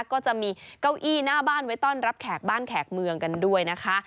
ก็จะมีเก้าอี้หน้าบ้านไว้ต้อนรับแขกบ้านแขกเมืองกันด้วยนะคะ